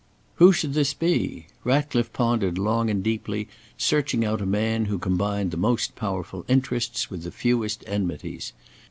Who should this be? Ratcliffe pondered long and deeply, searching out a man who combined the most powerful interests, with the fewest enmities.